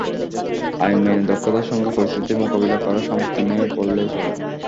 আইন মেনে দক্ষতার সঙ্গে পরিস্থিতি মোকাবিলা করার সামর্থ্য নেই বললেই চলে।